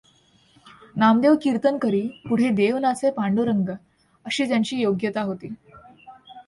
नामदेव कीर्तन करी, पुढे देव नाचे पांडुरंग अशी त्यांची योग्यता होती.